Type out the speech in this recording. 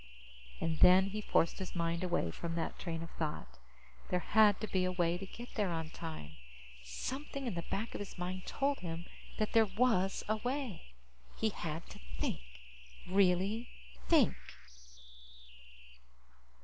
And then he forced his mind away from that train of thought. There had to be a way to get there on time. Something in the back of his mind told him that there was a way. He had to think. Really think.